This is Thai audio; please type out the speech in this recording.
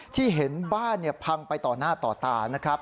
ที่เห็นบ้านพังไปต่อหน้าต่อตานะครับ